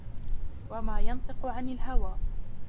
وَمَا يَنْطِقُ عَنِ الْهَوَى